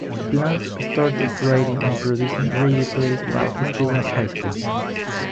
Plant started writing and producing radio plays while still at high school.